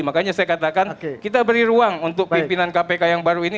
makanya saya katakan kita beri ruang untuk pimpinan kpk yang baru ini